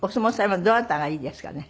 今どなたがいいですかね？